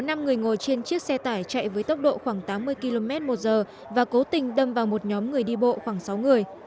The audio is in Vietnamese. nam người ngồi trên chiếc xe tải chạy với tốc độ khoảng tám mươi km một giờ và cố tình đâm vào một nhóm người đi bộ khoảng sáu người